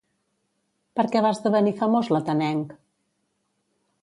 Per què va esdevenir famós l'atenenc?